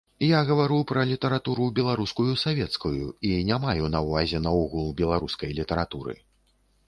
Я гавару пра літаратуру беларускую савецкую і не маю на ўвазе наогул беларускай літаратуры.